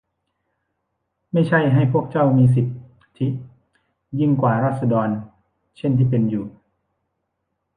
ไม่ใช่ให้พวกเจ้ามีสิทธิยิ่งกว่าราษฎรเช่นที่เป็นอยู่